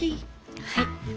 はい。